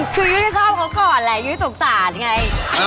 คือยุ้ยจะชอบเขาก่อนแหละยุ้ยสงสารไง